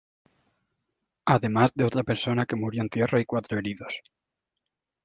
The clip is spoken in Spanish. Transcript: Además, de otra persona que murió en tierra y cuatro heridos.